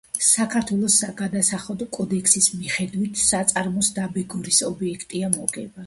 საქართველოს საგადასახადო კოდექსის მიხედვით, საწარმოს დაბეგვრის ობიექტია მოგება.